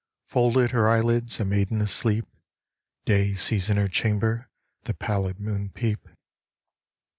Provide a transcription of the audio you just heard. Folded her eyelids, A maiden asleep, Day sees in her chamber The pallid moon peep.